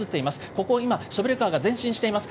ここを今、ショベルカーが前進しています。